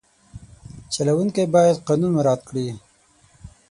چلوونکی باید قانون مراعت کړي.